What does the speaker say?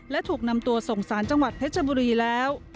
และถูกนำตัวส่งสารจังหวัดเพชรบุรีแล้ว